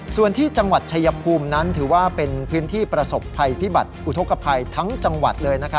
ส่วนที่จังหวัดชายภูมินั้นถือว่าเป็นพื้นที่ประสบภัยพิบัติอุทธกภัยทั้งจังหวัดเลย